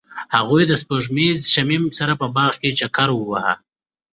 هغوی د سپوږمیز شمیم سره په باغ کې چکر وواهه.